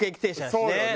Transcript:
そうだよね！